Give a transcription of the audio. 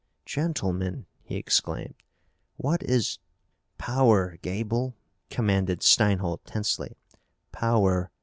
"Gentlemen!" he exclaimed. "What is " "Power, Gaeble!" commanded Steinholt tensely. "Power!